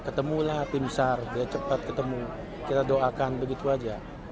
jika kita berpulang api besar kita cepat ketemu kita doakan begitu saja